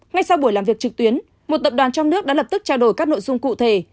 ngay sau buổi làm việc trực tuyến một tập đoàn trong nước đã lập tức trao đổi các nội dung cụ thể